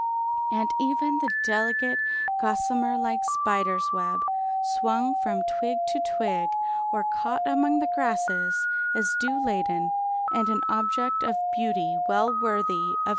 And even the delicate, gossamer like spider's web swung from twig to twig or caught among the grasses, is dew laden, and an object of beauty well worthy of consideration.